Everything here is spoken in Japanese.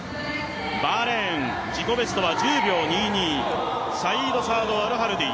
バーレーン、自己ベストは１０秒２２サイードサード・アルハルディ。